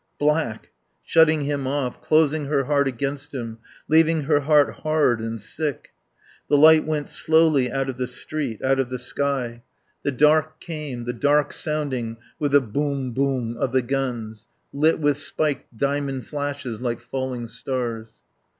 Black; shutting him off, closing her heart against him, leaving her heart hard and sick. The light went slowly out of the street, out of the sky. The dark came, the dark sounding with the "Boom Boom" of the guns, lit with spiked diamond flashes like falling stars.